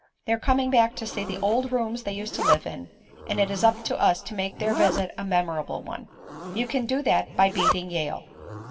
They're coming back to see the old rooms they used to live in, and it is up to us to make their visit a memorable one. You can do that by beating Yale."